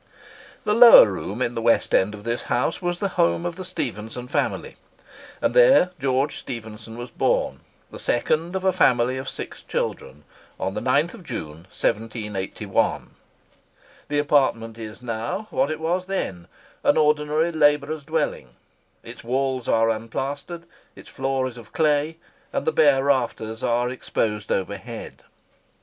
The lower room in the west end of this house was the home of the Stephenson family; and there George Stephenson was born, the second of a family of six children, on the 9th of June, 1781. The apartment is now, what it was then, an ordinary labourer's dwelling,—its walls are unplastered, its floor is of clay, and the bare rafters are exposed overhead.